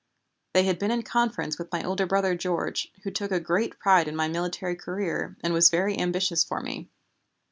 They had been in conference with my older brother George, who took a great pride in my military career and was very ambitious for me.